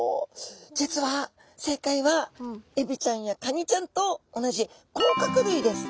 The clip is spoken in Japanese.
実は正解はエビちゃんやカニちゃんと同じ甲殻類です。